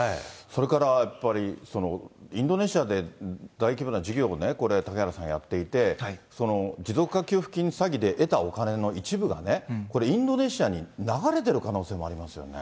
それからやっぱり、インドネシアで大規模な事業を、嵩原さん、やっていて、持続化給付金詐欺で得たお金の一部が、インドネシアに流れてる可能性もありますよね。